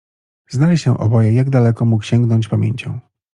Znali się oboje, jak daleko mógł sięgnąć pamięcią.